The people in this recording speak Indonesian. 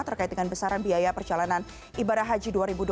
terkait dengan besaran biaya perjalanan ibadah haji dua ribu dua puluh